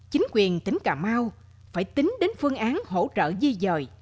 chính quyền tỉnh cà mau phải tính đến phương án hỗ trợ di dời